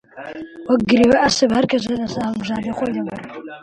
وەک گرێوە ئەسپ هەر کەسە لە سەر هەڵبژاردەی خۆی دەبڕی